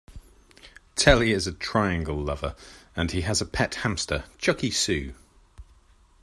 Telly is a triangle lover, and he has a pet hamster, Chuckie Sue.